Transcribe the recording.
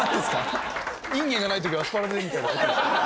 インゲンがない時はアスパラでみたいな事ですか？